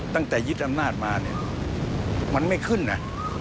ตั้งแต่ยึดอำนาจมาเนี่ยมันไม่ขึ้นนะ